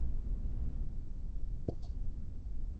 বীজের শক্তিতেই গাছ হয়, জল ও বায়ু কেবল তার সহায়ক মাত্র।